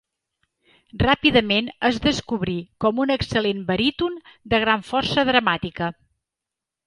Ràpidament es descobrí com un excel·lent baríton de gran força dramàtica.